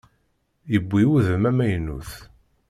Yewwi udem amaynut.